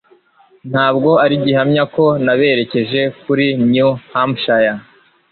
Ntabwo ari gihamya ko naberekeje kuri New Hampshire.